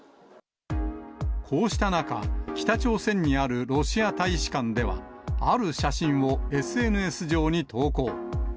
こうした中、北朝鮮にあるロシア大使館では、ある写真をＳＮＳ上に投稿。